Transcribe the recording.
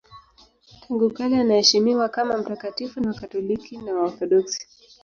Tangu kale anaheshimiwa kama mtakatifu na Wakatoliki na Waorthodoksi.